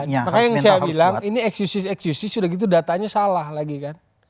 makanya yang saya bilang ini ekshusis eksyusi sudah gitu datanya salah lagi kan